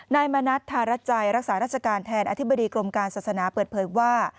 นายมณัฐธารัจจัยรักษาราชการแทนอธิบดีกรมการศาสนาเปิดเผยว่า